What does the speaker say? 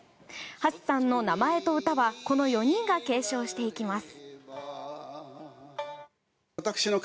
橋さんの名前と歌はこの４人が継承していきます。